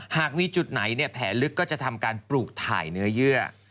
หากมีจุดไหนแผลลึกก็จะทำการปลูกถ่ายเนื้อเยื่อ